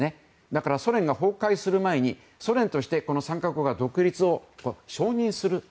だから、ソ連が崩壊する前にソ連として、この３か国の独立を承認する。